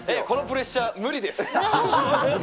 このプレッシャー、無理です。